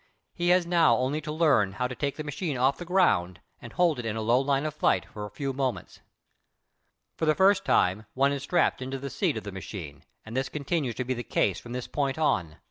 He has now only to learn how to take the machine off the ground and hold it at a low line of flight for a few moments. For the first time one is strapped into the seat of the machine, and this continues to be the case from this point on.